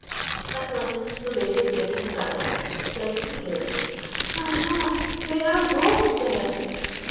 At length Zobeide breaking silence, said to the caliph, "Alas! they are both dead!